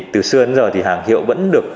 từ xưa đến giờ hàng hiệu vẫn được